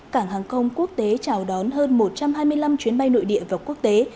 cảng hàng không quốc tế chào đón hơn một trăm hai mươi năm chuyến bay nội địa và quốc tế